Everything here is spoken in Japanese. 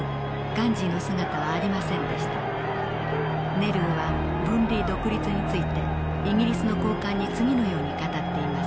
ネルーは分離独立についてイギリスの高官に次のように語っています。